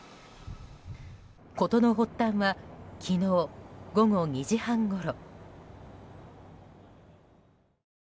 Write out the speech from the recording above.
事の発端は昨日午後２時半ごろ。